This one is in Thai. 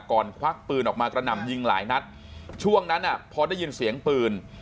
ควักปืนออกมากระหน่ำยิงหลายนัดช่วงนั้นพอได้ยินเสียงปืน